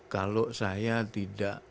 kalau saya tidak